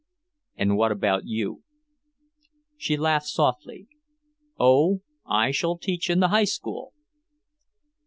"And what about you?" She laughed softly. "Oh, I shall teach in the High School!"